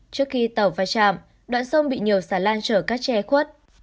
trước khi tàu vai trạm đoạn sông bị nhiều xà lan trở cát tre khuất